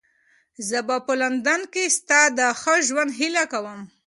زه به په لندن کې ستا د ښه ژوند هیله کوم.